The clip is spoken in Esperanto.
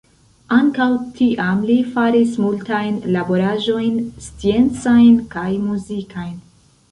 Ankaŭ tiam li faris multajn laboraĵojn sciencajn kaj muzikajn.